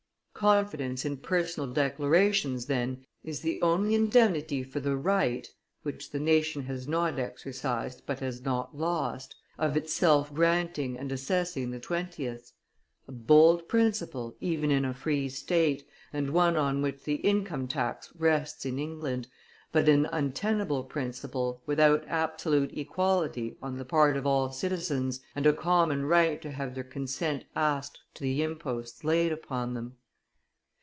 Confidence in personal declarations, then, is the only indemnity for the right, which the nation has not exercised but has not lost, of itself granting and assessing the twentieths. A bold principle, even in a free state, and one on which the income tax rests in England, but an untenable principle, without absolute equality on the part of all citizens and a common right to have their consent asked to the imposts laid upon them.